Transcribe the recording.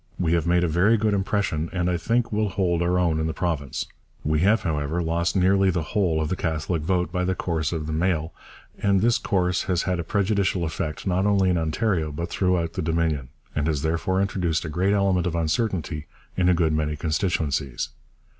We have made a very good impression, and I think will hold our own in the Province. We have, however, lost nearly the whole of the Catholic vote by the course of the Mail, and this course has had a prejudicial effect not only in Ontario but throughout the Dominion, and has therefore introduced a great element of uncertainty in a good many constituencies.